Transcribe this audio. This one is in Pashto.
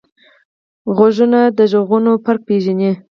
غوږونه د غږونو فرق پېژني